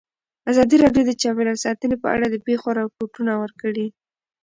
ازادي راډیو د چاپیریال ساتنه په اړه د پېښو رپوټونه ورکړي.